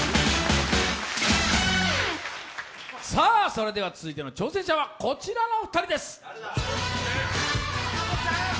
それでは続いての挑戦者はこちらの２人です。